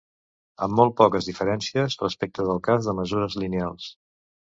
Amb molt poques diferències respecte del cas de mesures lineals.